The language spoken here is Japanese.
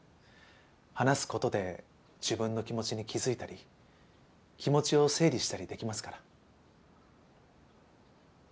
話す事で自分の気持ちに気づいたり気持ちを整理したりできますから。